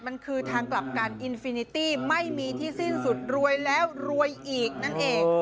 มันคือทางกลับการอินฟินิตี้ไม่มีที่สิ้นสุดรวยแล้วรวยอีกนั่นเอง